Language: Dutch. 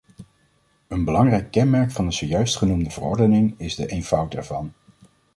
Een belangrijk kenmerk van de zojuist genoemde verordening is de eenvoud ervan.